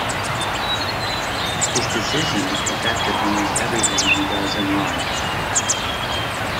His decision affected almost everything he does in life.